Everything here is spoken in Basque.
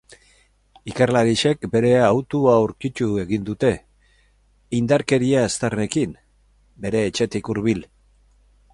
Ikerlariek bere autoa aurkitu egin dute, indarkeria aztarnekin, bere etxetik hurbil.